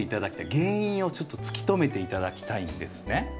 原因をちょっと突き止めて頂きたいんですね。